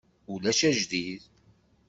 Ulac ajdid.